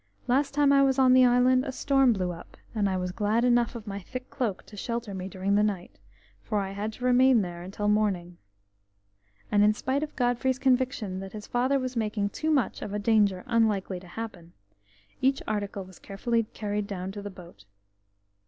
"Last time I was on the island a storm blew up, and I was glad enough of my thick cloak to shelter me during the night, for I had to remain there until morning." And in spite of Godfrey's conviction that his father was making too much of a danger unlikely to happen, each article was carefully carried down to the boat.